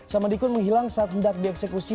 samadikun menghilang saat hendak dieksekusi